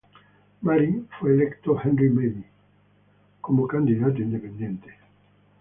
Mary fue electo Henry Madi, como candidato independiente.